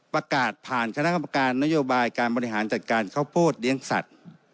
ประกาศผ่านคณะกรรมการนโยบายการบริหารจัดการข้าวโพดเลี้ยงสัตว์